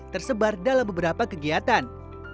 tersebar dalam beberapa kegiatan